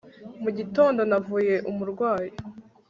mugitondo navuye umurwayi